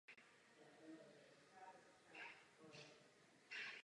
Jako "cicero" se označuje také písmo o této velikosti.